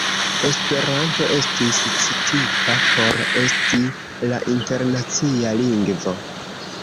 Esperanto estis citita por esti la internacia lingvo.